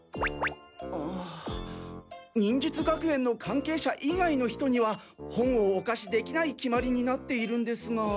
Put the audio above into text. あ忍術学園の関係者以外の人には本をお貸しできない決まりになっているんですが。